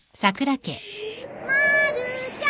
まるちゃん。